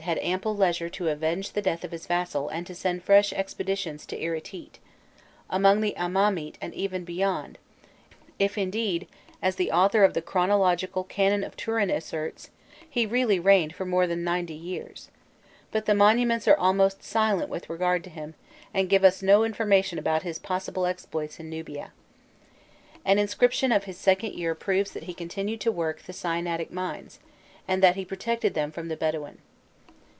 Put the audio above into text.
had ample leisure to avenge the death of his vassal and to send fresh expeditions to Iritît, among the Amamît and even beyond, if, indeed, as the author of the chronological Canon of Turin asserts,* he really reigned for more than ninety years; but the monuments are almost silent with regard to him, and give us no information about his possible exploits in Nubia. An inscription of his second year proves that he continued to work the Sinaitic mines, and that he protected them from the Bedouin.